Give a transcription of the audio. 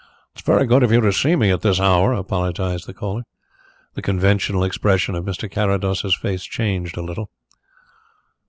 "It's very good of you to see me at this hour," apologised Mr. Carlyle. The conventional expression of Mr. Carrados's face changed a little.